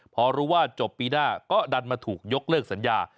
พอรู้ว่าจบปีหน้าก็ดันมาถูกยกเลิกสัญญา